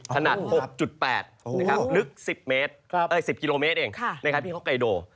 ถนัด๖๘นึก๑๐กิโลเมตรเองพี่ฮอกไกโด